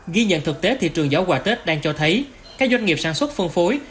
ghi nhận thực tế thị trường giỏ quà tết đang cho thấy các doanh nghiệp sản xuất phân phối